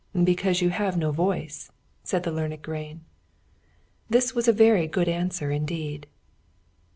"Because you have no voice," said the learned grain. This was a very good answer indeed.